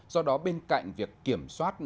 do đó bên cạnh việc kiểm soát